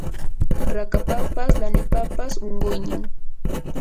rakapapas lanipapas unquynin